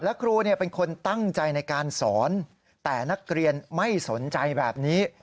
และครูเป็นคนตั้งใจในการสอนแต่นักเรียนไม่สนใจแบบนี้